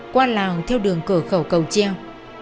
qua lào theo đường cửa khẩu cầu treo